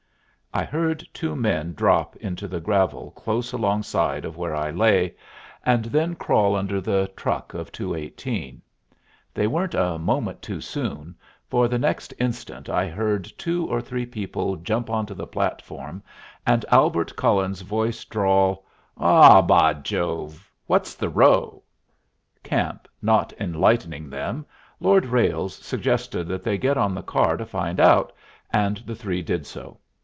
I heard two men drop into the gravel close alongside of where I lay, and then crawl under the truck of 218. They weren't a moment too soon, for the next instant I heard two or three people jump on to the platform, and Albert Cullen's voice drawl, "Aw, by Jove, what's the row?" Camp not enlightening them, Lord Ralles suggested that they get on the car to find out, and the three did so.